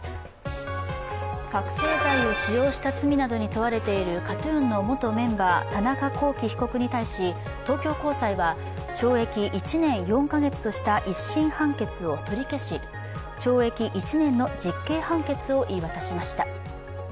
覚醒剤を使用した罪などに問われているＫＡＴ−ＴＵＮの元メンバー田中聖被告に対し、東京高裁は懲役１年４か月とした１審判決を取り消し、懲役１年の実刑判決を言い渡しました。